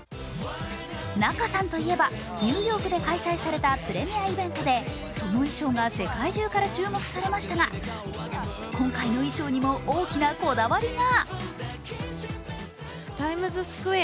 仲さんといえば、ニューヨークで開催されたプレミアイベントでその衣装が世界中から注目されましたが今回の衣装にも大きなこだわりが。